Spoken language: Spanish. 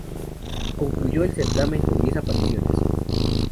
Concluyó el certamen con diez apariciones.